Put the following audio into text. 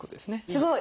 すごい！